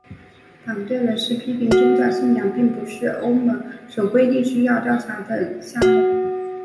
反对人士批评宗教信仰并不是欧盟所规定需要调查的项目。